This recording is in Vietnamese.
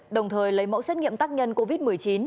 đồng thời lấy mẫu xét nghiệm tác nhân covid một mươi chín